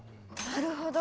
なるほど。